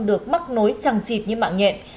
được mắc nối chẳng chịp như mạng nhện